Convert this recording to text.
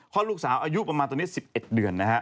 ค่อลูกสาวอายุประมาณตรงนี้๑๑เดือน